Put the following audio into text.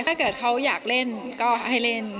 ถ้าเกิดเขาอยากเล่นก็ให้เล่น